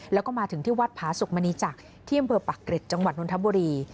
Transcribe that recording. แล้วก็มาถึงที่วัดพระศุกร์มณีจักรที่เมืองปากเกร็ดจังหวัดนุนทบุรี